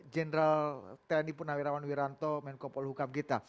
jenderal tni puna wirawan wiranto menko polhukam gita